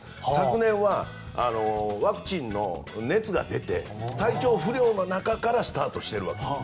昨年はワクチンの熱が出て体調不良の中からスタートしているわけ。